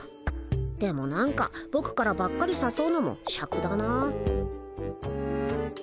でもなんかぼくからばっかりさそうのもしゃくだなあ。